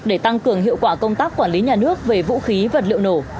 để tăng cường hiệu quả công tác quản lý nhà nước về vũ khí vật liệu nổ